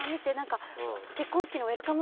結婚式のウェルカム